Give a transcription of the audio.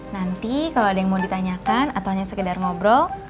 nanti kalau ada yang mau ditanyakan atau hanya sekedar ngobrol